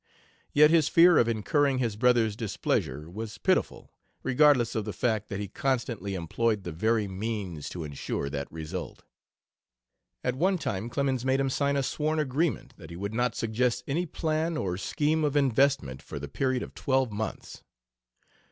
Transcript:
Yet, his fear of incurring his brother's displeasure was pitiful, regardless of the fact that he constantly employed the very means to insure that result. At one time Clemens made him sign a sworn agreement that he would not suggest any plan or scheme of investment for the period of twelve months.